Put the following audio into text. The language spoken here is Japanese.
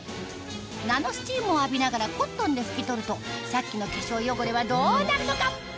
ナノスチームを浴びながらコットンで拭き取るとさっきの化粧汚れはどうなるのか？